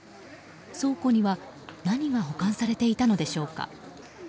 倉庫には、何が保管されていたのでしょうか。